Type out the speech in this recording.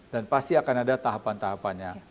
dan pasti akan ada tahapan tahapannya